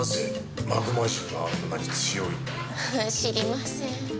知りません。